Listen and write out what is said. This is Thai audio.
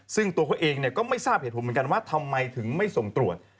ซึ่งตัวเขาเองก็ไม่ทราบเหตุผลเหมือนกันว่าทำไมถึงไม่ส่งตรวจ